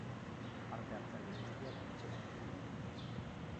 Parte hartzaile guztiak etxera.